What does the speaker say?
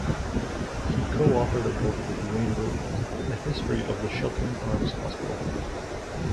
He coauthored a book with Wayne Williams, "A History of the Sheltering Arms Hospital".